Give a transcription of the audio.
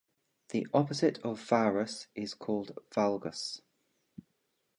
The opposite of varus is called valgus.